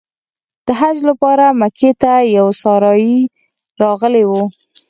د حج لپاره مکې ته یو سارایي راغلی و.